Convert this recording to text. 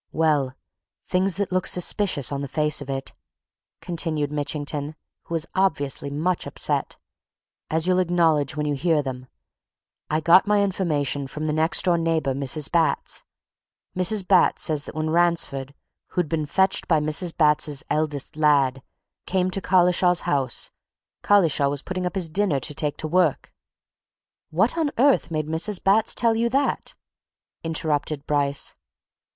"Well, things that look suspicious, on the face of it," continued Mitchington, who was obviously much upset. "As you'll acknowledge when you hear them. I got my information from the next door neighbour, Mrs. Batts. Mrs. Batts says that when Ransford who'd been fetched by Mrs. Batts's eldest lad came to Collishaw's house, Collishaw was putting up his dinner to take to his work " "What on earth made Mrs. Batts tell you that?" interrupted Bryce.